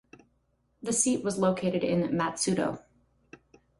The seat was located in Matsudo.